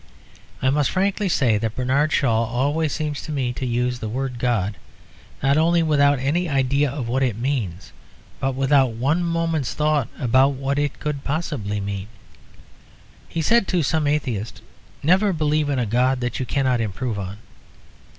I must frankly say that Bernard Shaw always seems to me to use the word God not only without any idea of what it means, but without one moment's thought about what it could possibly mean. He said to some atheist, "Never believe in a God that you cannot improve on."